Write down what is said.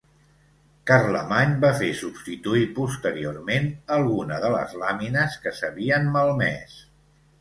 Carlemany va fer substituir posteriorment alguna de les làmines que s'havien malmès.